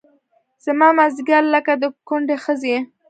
زما مازدیګر لکه د کونډې ښځې